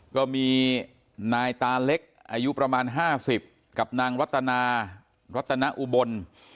ก็มีนายตาเล็กอายุประมาณ๕๐กับนางรัตนารัตนอุบล